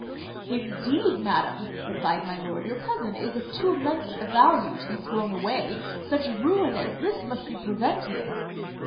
"Indeed, madam," replied my lord, "your cousin is of too immense a value to be thrown away; such ruin as this must be prevented."